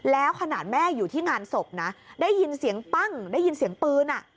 แล้วขนาดแม่อยู่ที่งานศพนะได้ยินเสียงปั้งได้ยินเสียงปืน